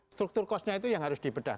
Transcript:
struktur kosnya itu yang harus dibedah